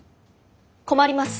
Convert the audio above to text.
困ります。